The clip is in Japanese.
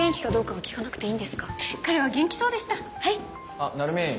あっ成海。